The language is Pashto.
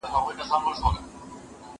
د پلار دعا زموږ د ژوند د ټولو ستونزو حل دی.